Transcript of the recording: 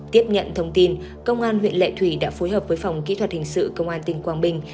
tiếp nhận thông tin công an huyện lệ thủy đã phối hợp với phòng kỹ thuật hình sự công an tỉnh quảng bình